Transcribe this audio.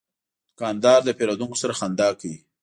دوکاندار د پیرودونکو سره خندا کوي.